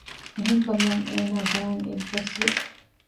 އެހެންކަމުން އޭނާ ދާން އެއްބަސްވި